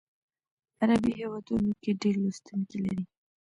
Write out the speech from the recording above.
عربي هیوادونو کې ډیر لوستونکي لري.